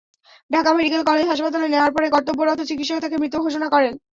Dhaka medical college হাসপাতালে নেওয়ার পরে কর্তব্যরত চিকিৎসক তাঁকে মৃত ঘোষণা করেন।